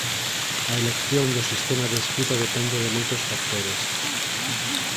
A elección do sistema de escrita depende de moitos factores.